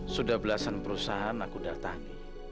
sudah belasan perusahaan aku datangi